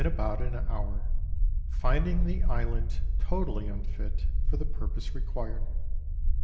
281 about an hour, finding the island totally unfit for the purpose re quired.